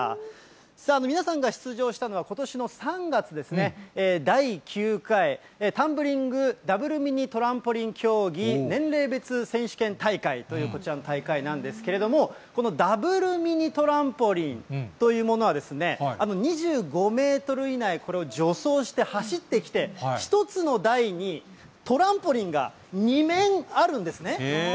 さあ、皆さんが出場したのはことしの３月ですね、第９回タンブリング・ダブルミニトランポリン競技年齢別選手権大会という、こちらの大会なんですけれども、このダブルミニトランポリンというものはですね、２５メートル以内、これを助走して走ってきて、１つの台にトランポリンが２面あるんですね。